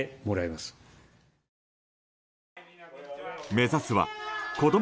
目指すは子ども